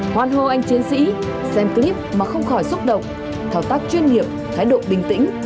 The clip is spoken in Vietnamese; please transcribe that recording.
hoan hô anh chiến sĩ xem clip mà không khỏi xúc động thao tác chuyên nghiệp thái độ bình tĩnh